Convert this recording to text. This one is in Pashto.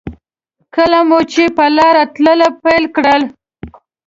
کله مو چې په لاره تلل پیل کړل.